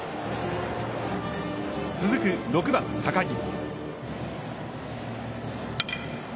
続く、６番高木。